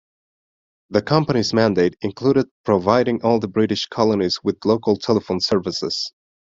The company's mandate included providing all the British colonies with local telephone services.